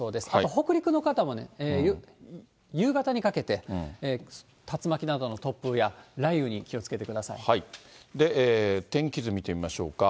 北陸の方も夕方にかけて竜巻などの突風や雷雨に気をつけてくださ天気図見てみましょうか。